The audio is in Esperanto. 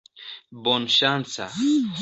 bonŝanca